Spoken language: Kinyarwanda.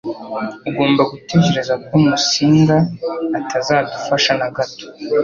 Ugomba gutekereza ko Musinga atazadufasha na gato.